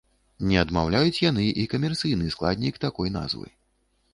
Не адмаўляюць яны і камерцыйны складнік такой назвы.